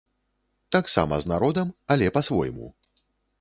Таксама з народам, але па-свойму!